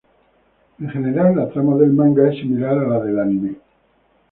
En general la trama del manga es similar a la del anime.